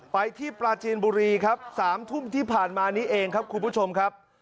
ไปที่ปราจีนบุรีครับ๓ทุ่มที่ผ่านมานี้เองครับคุณผู้ชมครับ